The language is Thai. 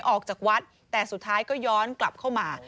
ออกจากวัดแต่สุดท้ายก็ย้อนกลับเข้ามา